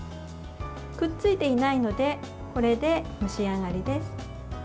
くっついていないのでこれで蒸し上がりです。